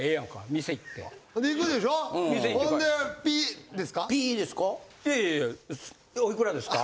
ピッですか？